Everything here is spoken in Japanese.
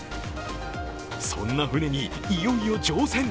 そんな船にいよいよ乗船！